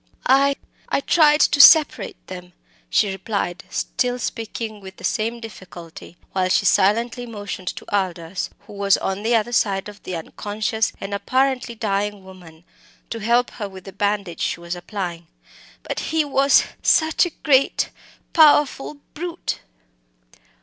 "I I tried to separate them," she replied, still speaking with the same difficulty, while she silently motioned to Aldous, who was on the other side of the unconscious and apparently dying woman, to help her with the bandage she was applying. "But he was such a great powerful brute."